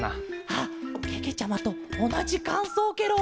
あけけちゃまとおなじかんそうケロ！